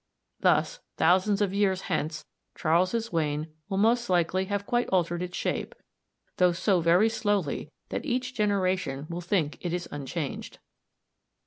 Thus, thousands of years hence Charles's Wain will most likely have quite altered its shape, though so very slowly that each generation will think it is unchanged.